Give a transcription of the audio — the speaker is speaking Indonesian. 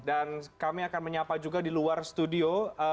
dan kami akan menyapa juga di luar studio